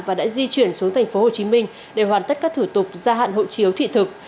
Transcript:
và đã di chuyển xuống thành phố hồ chí minh để hoàn tất các thủ tục gia hạn hậu chiếu thị thực